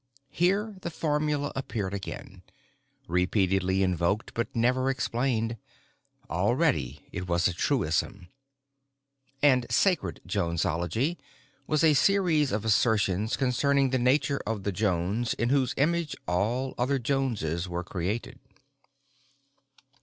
(Here the formula appeared again, repeatedly invoked but never explained. Already it was a truism.) And Sacred Jonesology was a series of assertions concerning the nature of The Jones in whose image all other Joneses were created.